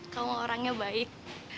kamu orangnya baik